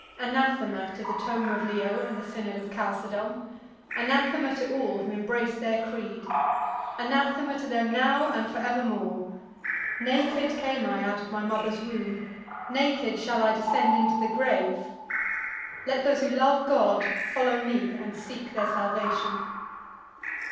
Anathema to the tome of Leo and the synod of Chalcedon! Anathema to all who embrace their creed! Anathema to them now and forevermore! Naked came I out of my mother's womb, naked shall I descend into the grave. Let those who love God follow me and seek their salvation."